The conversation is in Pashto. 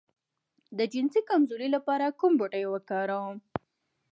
د جنسي کمزوری لپاره کوم بوټی وکاروم؟